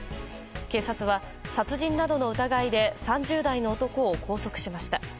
警察は殺人などの疑いで３０代の男を拘束しました。